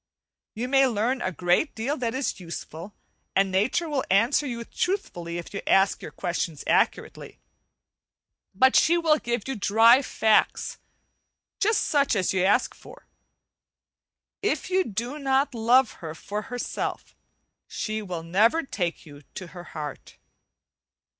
You may learn a great deal that is useful, and nature will answer you truthfully if you ask you questions accurately, but she will give you dry facts, just such as you ask for. If you do not love her for herself she will never take you to her heart.